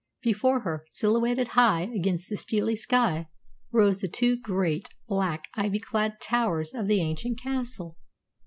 Before her, silhouetted high against the steely sky, rose the two great, black, ivy clad towers of the ancient castle.